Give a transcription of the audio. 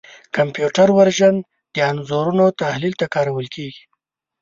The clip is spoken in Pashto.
کمپیوټر وژن د انځورونو تحلیل ته کارول کېږي.